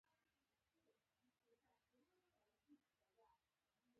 د لمر ضد کریم د پوستکي عمر اوږدوي.